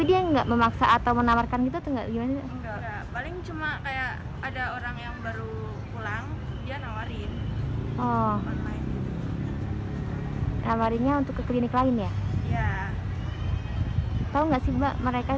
yang lebih singkat dalam mengantre itu gimana sih mbak